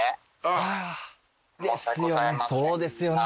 そうですよね。